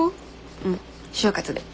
うん就活で。